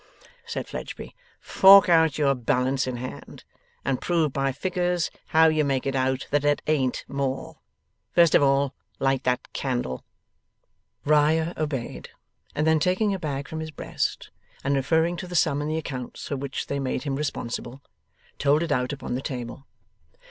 said Fledgeby. 'Fork out your balance in hand, and prove by figures how you make it out that it ain't more. First of all, light that candle.' Riah obeyed, and then taking a bag from his breast, and referring to the sum in the accounts for which they made him responsible, told it out upon the table.